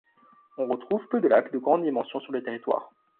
On retrouve peu de lacs de grande dimension sur le territoire.